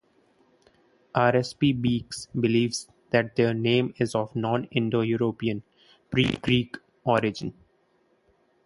R. S. P. Beekes believes that their name is of non-Indo-European, pre-Greek origin.